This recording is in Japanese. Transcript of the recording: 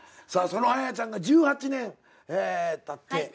さあその彩ちゃんが１８年たって。